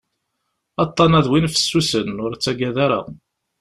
Aṭṭan-a d win fessusen, ur ttaggad ara.